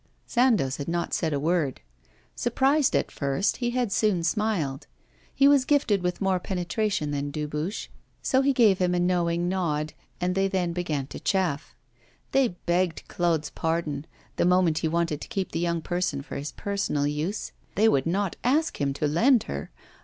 Sandoz had not said a word. Surprised at first, he had soon smiled. He was gifted with more penetration than Dubuche, so he gave him a knowing nod, and they then began to chaff. They begged Claude's pardon; the moment he wanted to keep the young person for his personal use, they would not ask him to lend her.